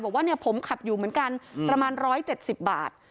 บอกว่าเนี่ยผมขับอยู่เหมือนกันประมาณ๑๗๐บาท